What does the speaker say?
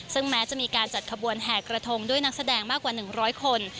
ซึ่งแม้จะมีการจัดขบวนแห่กระทงด้วยนักแสดงมากกว่า๑๐๐คน